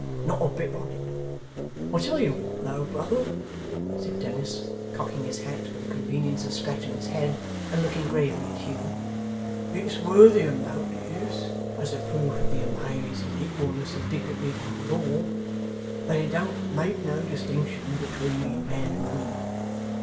Not a bit on it. I tell you what though, brother,' said Dennis, cocking his hat for the convenience of scratching his head, and looking gravely at Hugh, 'it's worthy of notice, as a proof of the amazing equalness and dignity of our law, that it don't make no distinction between men and women.